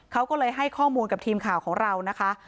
เขาก็เลยให้ข้อมูลกับทีมข่าวของเรานะคะ